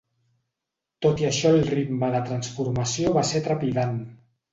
Tot i això el ritme de transformació va ser trepidant.